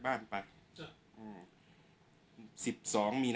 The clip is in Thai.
ช่างแอร์เนี้ยคือล้างหกเดือนครั้งยังไม่แอร์